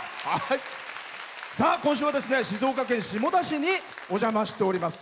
今週は静岡県下田市にお邪魔しております。